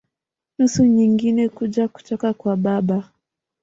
Nusu nyingine kuja kutoka kwa baba.